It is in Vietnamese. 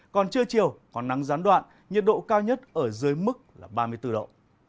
còn trưa chiều có nắng gián đoạn nhiệt độ cao nhất ở dưới mức ba mươi bốn độ